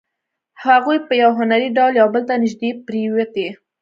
هغوی په یو هنري ډول یو بل ته نږدې پرېوتې